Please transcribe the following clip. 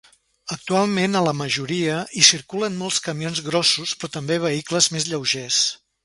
Actualment a la majoria hi circulen molts camions grossos però també vehicles més lleugers.